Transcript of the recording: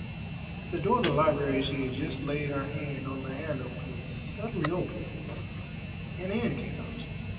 At the door of the library she had just laid her hand on the handle when it suddenly opened, and Anne came out.